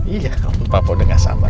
iya kalau papa udah nggak sabar